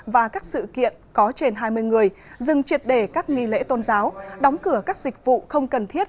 và các sự kiện có trên hai mươi người dừng triệt để các nghi lễ tôn giáo đóng cửa các dịch vụ không cần thiết